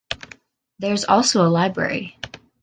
There’s also a library.